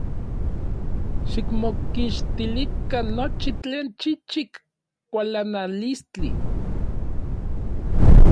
Xikmokixtilikan nochi tlen chichik kualanalistli.